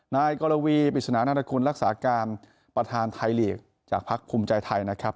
นายกรวีปริศนานคุณรักษาการประธานไทยลีกจากพักภูมิใจไทยนะครับ